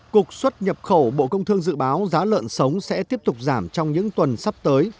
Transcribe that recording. cục xuất nhập khẩu bộ công thương dự báo giá lợn sống sẽ tiếp tục giảm trong những tuần sắp tới